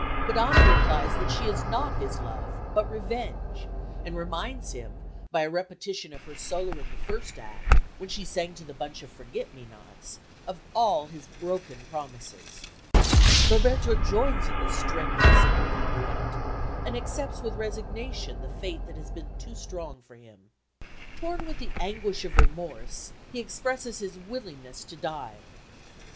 but Anna replies that she is not his love but revenge, and reminds him, by a repetition of her solo in the first act, when she sang to the bunch of forget me nots, of all his broken promises. Roberto joins in this strenuous and moving duet, and accepts with resignation the fate that has been too strong for him. Torn with the anguish of remorse he expresses his willingness to die.